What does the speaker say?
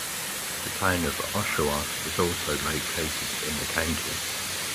The Town of Oshawa was also located in the county.